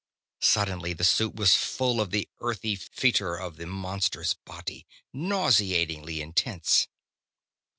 Suddenly the suit was full of the earthy fetor of the monster's body, nauseatingly intense.